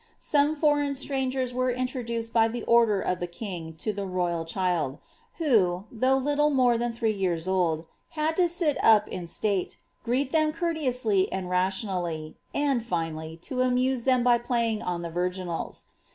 Some foreign strangers were introduced by the order of the king to the royal child, who, though little more than three years old, had to sit up in state, greet them courte ooily and rationally, and, finally, to amuse them by pbying on the vir ginala.